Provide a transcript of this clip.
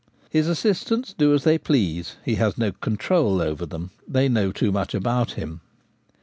His assistants do as they please. He has no control over them: they know too much about him.